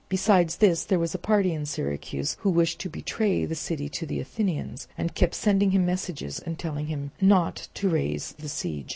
Besides this, there was a party in Syracuse who wished to betray the city to the Athenians, and kept sending him messages and telling him not to raise the siege.